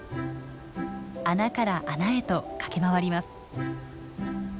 穴から穴へと駆け回ります。